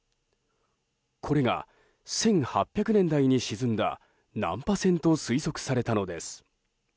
これが１８００年代に沈んだ難破船と推測されたのです。